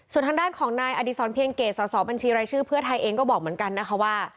ส่วนทางด้านของนายอดีศรเพียงเกตสอบบัญชีรายชื่อเพื่อไทยเองก็บอกเหมือนกันนะคะว่า